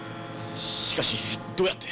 しかしどうやって。